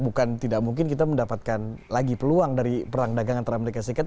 bukan tidak mungkin kita mendapatkan lagi peluang dari perang dagang antara amerika serikat